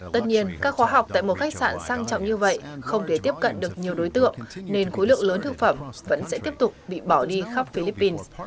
tất nhiên các khóa học tại một khách sạn sang trọng như vậy không thể tiếp cận được nhiều đối tượng nên khối lượng lớn thực phẩm vẫn sẽ tiếp tục bị bỏ đi khắp philippines